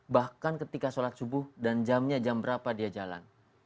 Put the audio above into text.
bahkan ketika sholat subuh dan jamnya jam berapa dia jalan